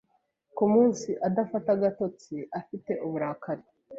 Ku munsi adafata agatotsi, afite uburakari.